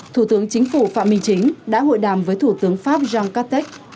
thủ tướng chính phủ phạm minh chính đã hội đàm với thủ tướng pháp jean castex